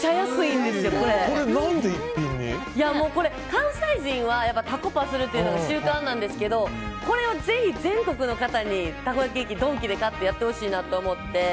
関西人はタコパするのが習慣なんですけどこれをぜひ全国の方にたこ焼き器ドンキで買ってやってほしいなと思って。